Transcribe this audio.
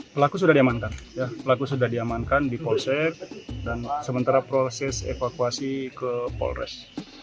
pelaku sudah diamankan di polsek dan sementara proses evakuasi ke polres